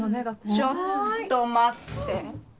ちょっと待って。